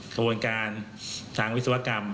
ขบวนการทางวิศวกรรม